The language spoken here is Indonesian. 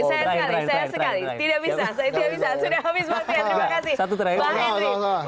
saya sekali saya sekali tidak bisa saya tidak bisa sudah habis waktunya terima kasih